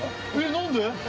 何で？